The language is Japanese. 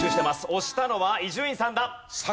押したのは伊集院さんだ。